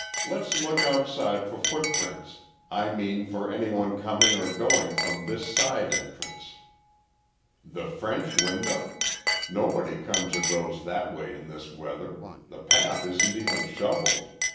Let's look outside for footprints—I mean for any one coming or going from this side entrance." "The French window? Nobody comes or goes that way in this weather; the path isn't even shoveled.